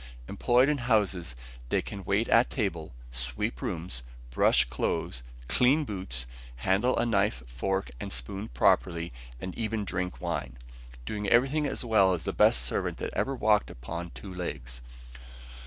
Employed in houses, they can wait at table, sweep rooms, brush clothes, clean boots, handle a knife, fork, and spoon properly, and even drink wine,... doing everything as well as the best servant that ever walked upon two legs.